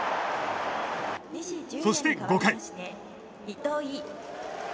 そして５回。